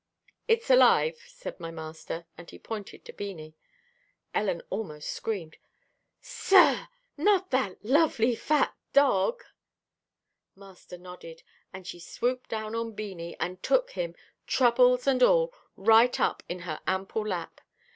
"It's alive," said my master, and he pointed to Beanie. Ellen almost screamed. "Sir! not that lovely, fat dog!" Master nodded, and she swooped down on Beanie, and took him, troubles and all, right up in her ample lap.